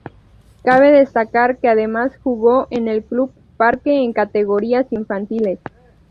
Cabe destacar que además jugó en el Club Parque en categorías infantiles.